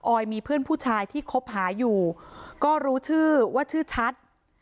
อยมีเพื่อนผู้ชายที่คบหาอยู่ก็รู้ชื่อว่าชื่อชัด